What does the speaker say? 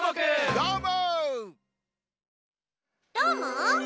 どーも！